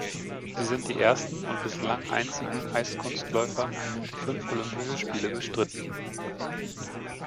Sie sind die ersten und bislang einzigen Eiskunstläufer, die fünf Olympische Spiele bestritten.